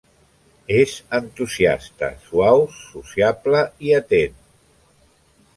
És entusiasta, suau, sociable i atent.